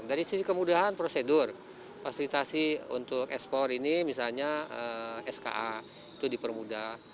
dari sisi kemudahan prosedur fasilitasi untuk ekspor ini misalnya ska itu dipermudah